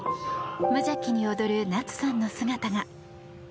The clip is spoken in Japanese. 無邪気に踊る夏さんの姿が。